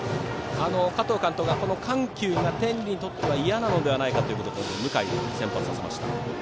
加藤監督はこの緩急が天理にとってはいやなのではないかということで向井を先発させました。